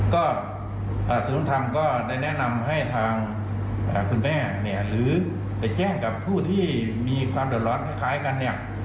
ก็ศูนย์ธรรมก็ได้แนะนำให้ทางคุณแม่เนี่ยหรือไปแจ้งกับผู้ที่มีความเดือดร้อนคล้ายกันเนี่ย